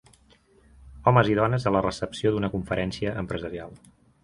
Homes i dones a la recepció d'una conferència empresarial